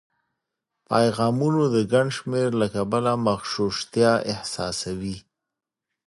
پیغامونو د ګڼ شمېر له کبله مغشوشتیا احساسوي